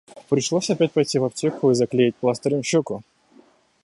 Пришлось опять пойти в аптеку и заклеить пластырем щеку.